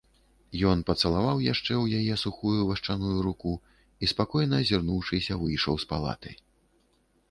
Ён пацалаваў яшчэ ў яе сухую вашчаную руку і, спакойна азірнуўшыся, выйшаў з палаты.